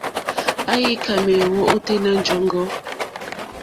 Àyíkâ méěyó ôténá jɔ̀ŋgɔ́.